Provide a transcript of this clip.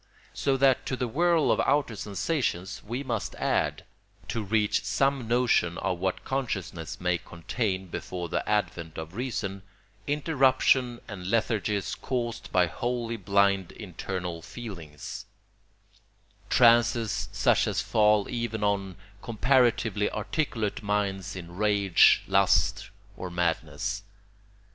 So that to the whirl of outer sensations we must add, to reach some notion of what consciousness may contain before the advent of reason, interruptions and lethargies caused by wholly blind internal feelings; trances such as fall even on comparatively articulate minds in rage, lust, or madness.